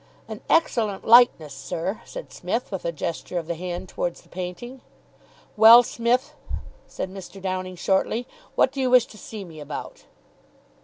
"An excellent likeness, sir," said Psmith, with a gesture of the hand towards the painting. "Well, Smith," said Mr. Downing shortly, "what do you wish to see me about?"